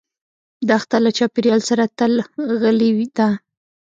دښته له چاپېریال سره تل غلي ده.